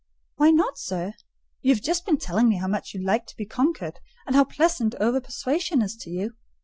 "Why not, sir? You have just been telling me how much you liked to be conquered, and how pleasant over persuasion is to you.